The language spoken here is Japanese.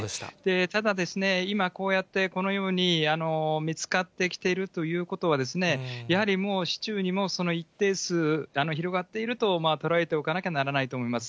ただ、今こうやって、このように見つかってきているということは、やはりもう市中にも、一定数広がっていると捉えておかなきゃならないと思います。